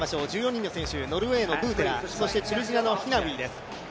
１４人の選手、ノルウェーのブーテラそしてチュニジアのヒナウイです。